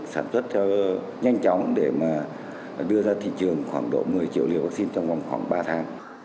sản xuất theo nhanh chóng để mà đưa ra thị trường khoảng độ một mươi triệu liều vaccine trong vòng khoảng ba tháng